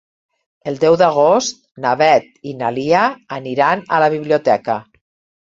El deu d'agost na Beth i na Lia aniran a la biblioteca.